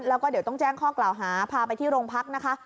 แล้วก็เดี๋ยวต้องแจ้งข้อกล่าวหาพาไปที่โรงพักนะคะ